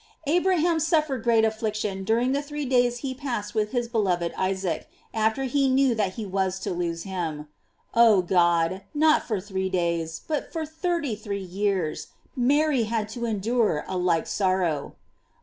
Abraham suffered great affliction during the three days he passed with his beloved Isaac, after he knew that he was to lose him. Oh God ! not for three days, but for thirty three years, Mary had to en dure a like sorrow.